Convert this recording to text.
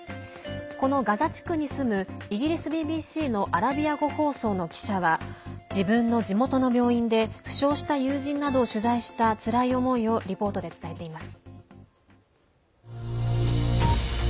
このガザ地区に住むイギリスＢＢＣのアラビア語放送の記者は自分の地元の病院で負傷した友人などを取材したつらい思いをリポートで伝えています。